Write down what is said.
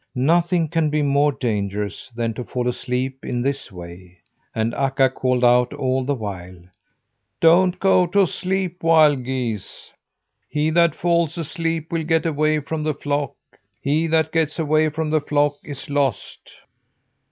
Nothing can be more dangerous than to fall asleep in this way; and Akka called out all the while: "Don't go to sleep, wild geese! He that falls asleep will get away from the flock. He that gets away from the flock is lost."